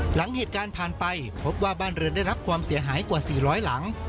หลังเหตุการณ์ผ่านไปพบว่าบ้านเรือนได้รับความเสียหายกว่า๔๐๐หลัง